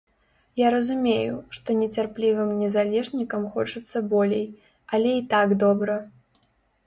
Я разумею, што нецярплівым незалежнікам хочацца болей, але і так добра.